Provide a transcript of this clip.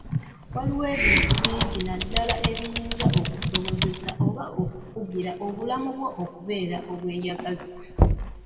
Waliwo ebintu bingi ddala ebiyinza okukusobozesa oba okukugira obulamu bwo okuba obweyagaza.